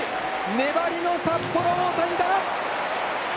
粘りの札幌大谷だ！